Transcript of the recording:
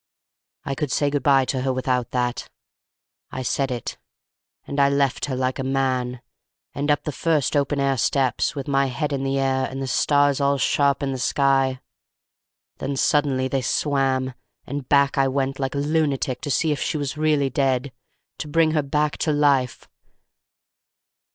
I could say good by to her without that. I said it; and I left her like a man, and up the first open air steps with my head in the air and the stars all sharp in the sky; then suddenly they swam, and back I went like a lunatic, to see if she was really dead, to bring her back to life